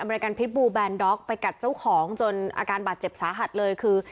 รายการพิษบูแบนด็อกไปกัดเจ้าของจนอาการบาดเจ็บสาหัสเลยคือ